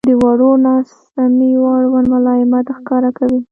• د وړو ناسمیو اړوند ملایمت ښکاره کوئ.